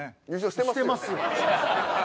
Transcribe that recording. よしてますよ・